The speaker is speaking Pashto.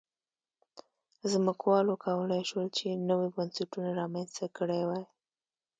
ځمکوالو کولای شول چې نوي بنسټونه رامنځته کړي وای.